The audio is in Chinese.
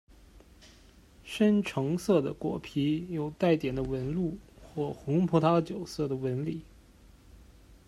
深橙色的果皮有带点的纹路或红葡萄酒色的纹理。